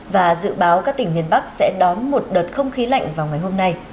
và dự báo các tỉnh miền bắc sẽ đón một đợt không khí lạnh vào ngày hôm nay